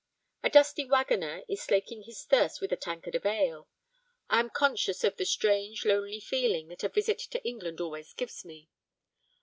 A dusty waggoner is slaking his thirst with a tankard of ale. I am conscious of the strange lonely feeling that a visit to England always gives me.